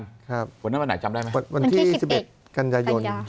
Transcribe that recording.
วันที่ไหนจำได้ไหมวันที่๑๑กันยายน